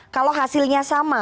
kalau hasilnya sama